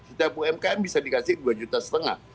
setiap umkm bisa dikasih rp dua lima ratus